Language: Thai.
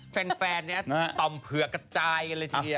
แฟนนี้ต่อมเผือกกระจายกันเลยทีเดียว